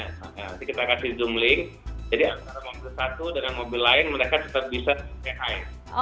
nanti kita kasih zoom link jadi antara mobil satu dengan mobil lain mereka tetap bisa mengikuti